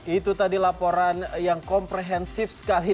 itu tadi laporan yang komprehensif sekali